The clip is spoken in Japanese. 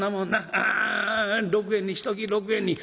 ああ６円にしとき６円に。